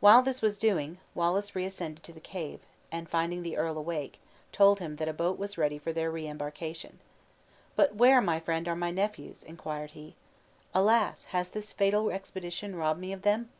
While this was doing, Wallace reascended to the cave, and finding the earl awake, told him a boat was ready for their re embarkation. "But where, my friend, are my nephews?" inquired he; "Alas! has this fatal expedition robbed me of them?"